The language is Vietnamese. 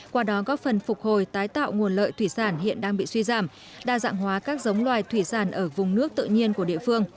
qua đó góp phần phục hồi tái tạo nguồn lợi thủy sản hiện đang bị suy giảm đa dạng hóa các giống loài thủy sản ở vùng nước tự nhiên của địa phương